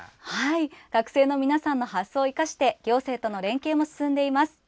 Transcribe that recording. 学生の皆さんの発想を生かして行政との連携も進んでいます。